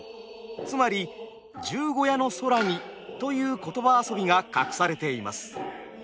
つまり「十五夜の空に」という言葉遊びが隠されています。